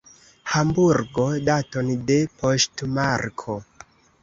Hamburgo, daton de poŝtmarko.